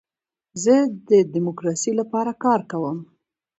زه د ډیموکراسۍ لپاره کار کوم.